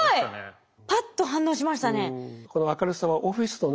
パッと反応しましたね。